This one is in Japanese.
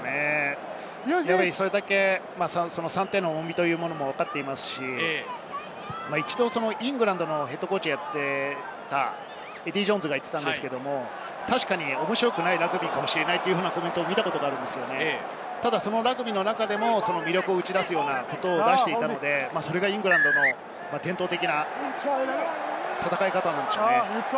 それだけ３点の重みをわかっていますし、一度イングランドのＨＣをやっていたエディー・ジョーンズが言っていたんですけれど面白くないラグビーかもしれないというコメントを見たんですが、その中でも魅力を打ち出すようなことを出していたので、それがイングランドの伝統的な戦い方なのでしょうね。